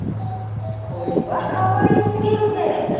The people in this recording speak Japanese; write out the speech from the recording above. これはかわいすぎるで。